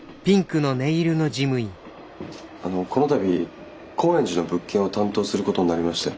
あのこの度高円寺の物件を担当することになりまして。